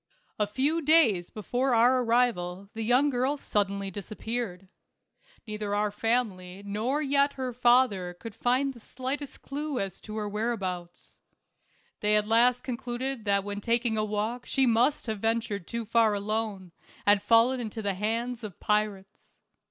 A few days before our arrival the young girl suddenly disappeared. Neither our family nor yet her father could find the slightest clue to her whereabouts. They at last concluded that when taking a walk she must have ventured too far alone, and fallen into the hands of pirates.